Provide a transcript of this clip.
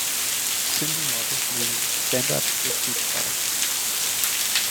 Simple models may use standard spreadsheet products.